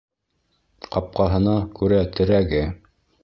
Ҡапҡаһына күрә терәге